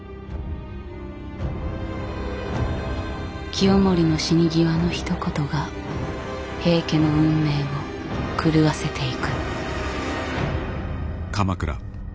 清盛の死に際のひと言が平家の運命を狂わせていく。